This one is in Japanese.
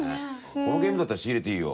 このゲームだったら仕入れていいよ。